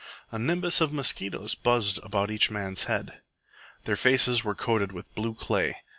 A nimbus of mosquitoes buzzed about each man's head. Their faces were coated with blue clay.